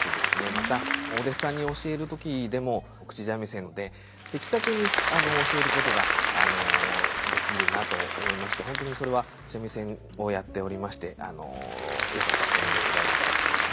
またお弟子さんに教える時でも口三味線で的確に教えることができるなと思いまして本当にそれは三味線をやっておりましてよかった点でございます。